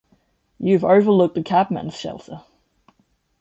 You have overlooked the cabman's shelter.